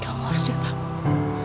kamu harus diatakan